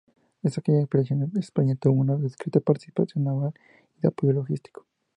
En aquella operación España tuvo una discreta participación naval y de apoyo logístico.